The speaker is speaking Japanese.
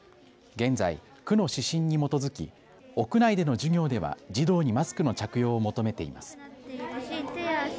現在、区の指針に基づき屋内での授業では児童にマスクの着用を求めています。